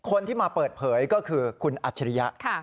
คนที่มาเปิดเผยก็คือคุณอัจฉริยะ